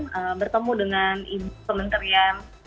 saya bersama beberapa korban